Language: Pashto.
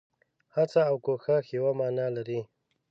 هڅه او کوښښ يوه مانا لري.